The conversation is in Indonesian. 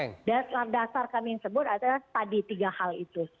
nah dasar dasar kami yang sebut adalah tadi tiga hal itu